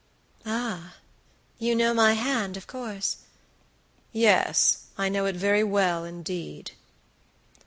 "Ah, you know my hand, of course." "Yes, I know it very well indeed."